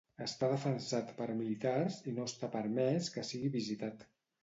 Està defensat per militars i no està permès que sigui visitat.